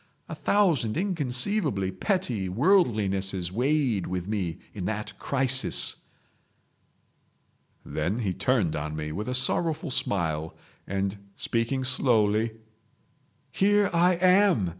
A thousand inconceivably petty worldlinesses weighed with me in that crisis." Then he turned on me with a sorrowful smile, and, speaking slowly; "Here I am!"